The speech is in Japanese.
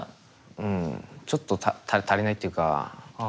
うんちょっと足りないっていうか。